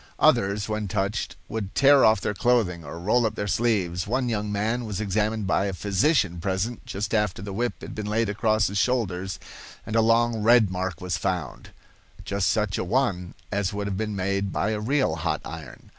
Others, when touched, would tear off their clothing or roll up their sleeves. One young man was examined by a physician present just after the whip had been laid across his shoulders, and a long red mark was found, just such a one as would have been made by a real hot iron.